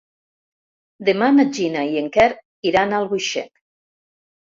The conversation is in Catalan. Demà na Gina i en Quer iran a Albuixec.